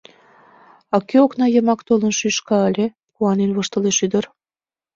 — А кӧ окна йымак толын шӱшка ыле? — куанен воштылеш ӱдыр.